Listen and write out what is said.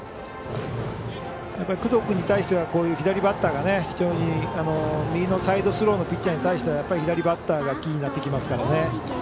やっぱり工藤君に対しては左バッターが非常に右のサイドスローのピッチャーに対しては左バッターがキーになってきますからね。